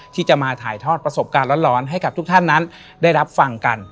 ที่จะมาถ่ายทอดประสบการณ์ร้อนให้กับทุกท่านนั้นได้รับฟังกัน